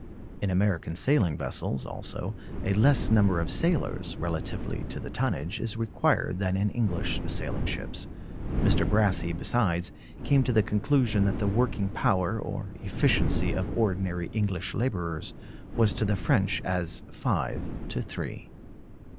In American sailing vessels, also, a less number of sailors, relatively to the tonnage, is required than in English sailing ships. Mr. Brassey, besides, came to the conclusion that the working power, or efficiency, of ordinary English laborers was to the French as five to three.